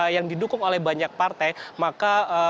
yang didukung oleh banyak partai maka